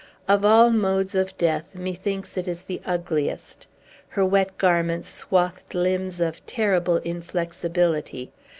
Of all modes of death, methinks it is the ugliest. Her wet garments swathed limbs of terrible inflexibility.